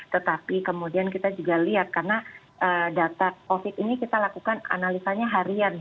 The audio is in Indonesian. tetapi kemudian kita juga lihat karena data covid ini kita lakukan analisanya harian